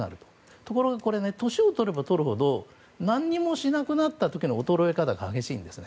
ところが、年をとればとるほど何をしなくなった時の衰え方が激しいんですね。